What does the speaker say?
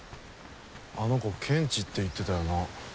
あの子ケンチって言ってたよな。